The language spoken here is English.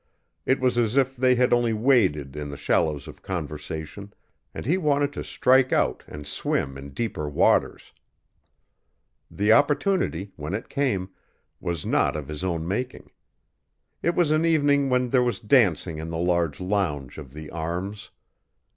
It was as if they had only waded in the shallows of conversation and he wanted to strike out and swim in deeper waters. The opportunity, when it came, was not of his own making. It was an evening when there was dancing in the large lounge of The Arms.